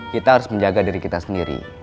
kita harus menjaga diri kita sendiri